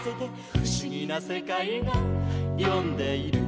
「ふしぎなせかいがよんでいる」